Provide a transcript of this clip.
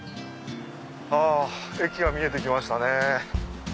はぁ駅が見えて来ましたね。